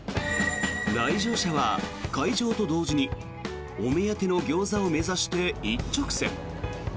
来場者は開場と同時にお目当てのギョーザを目指して一直線。